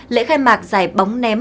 lễ khai mạc giải bóng ném